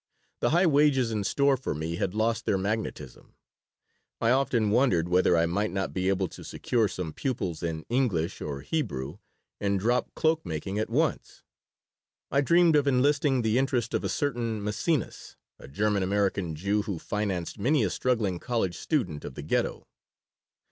The high wages in store for me had lost their magnetism. I often wondered whether I might not be able to secure some pupils in English or Hebrew, and drop cloak making at once. I dreamed of enlisting the interest of a certain Maecenas, a German American Jew who financed many a struggling college student of the Ghetto.